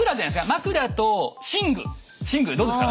枕と寝具寝具どうですか？